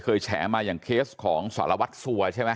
แฉมาอย่างเคสของสารวัตรสัวใช่ไหม